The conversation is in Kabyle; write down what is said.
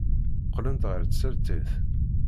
Qqlent ɣer tsertit.